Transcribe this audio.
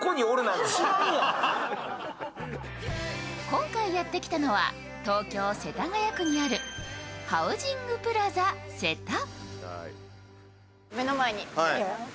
今回やってきたのは東京・世田谷区にあるハウジングプラザ瀬田。